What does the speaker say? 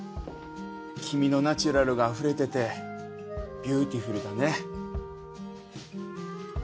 君のナチュラルがあふれててビューティフルだね。